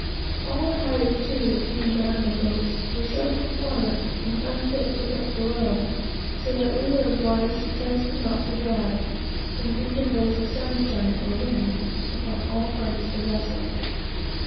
All the hides, too, that came down in the boats, were soaked with water, and unfit to put below, so that we were obliged to trice them up to dry, in the intervals of sunshine or wind, upon all parts of the vessel.